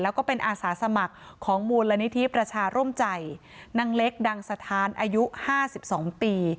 แล้วก็เป็นอาสาสมัครของมูลนิธิประชาร่มใจนางเล็กดังสถานอายุ๕๒ปี